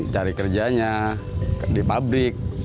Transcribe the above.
cari kerjanya di pabrik